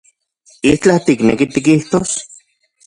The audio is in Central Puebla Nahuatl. ¿Itlaj tikneki tikijtos?